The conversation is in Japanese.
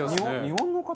日本の方？